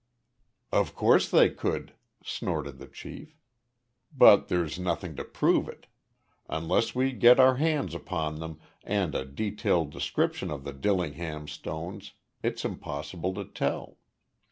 "Of course they could," snorted the chief. "But there's nothing to prove it. Until we get our hands upon them and a detailed description of the Dillingham stones, it's impossible to tell."